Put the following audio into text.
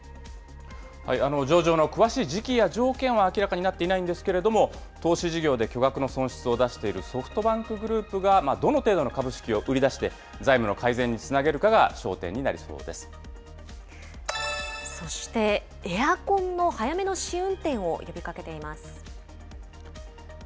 上場の詳しい時期や条件は明らかになっていないんですけれども、投資事業で巨額な損失を出しているソフトバンクグループがどの程度の株式を売り出して、財務の改善につなげるかが焦点になりそうそしてエアコンの早めの試運